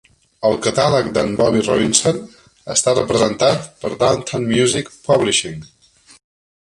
El catàleg de"n Bobby Robinson està representat per Downtown Music Publishing.